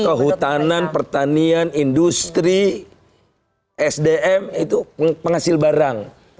kehutanan pertanian industri sdm itu penghasil barang